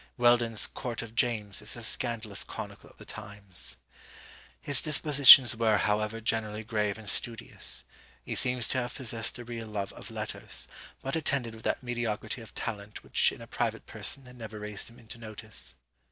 Weldon's "Court of James" is a scandalous chronicle of the times. His dispositions were, however, generally grave and studious. He seems to have possessed a real love of letters, but attended with that mediocrity of talent which in a private person had never raised him into notice.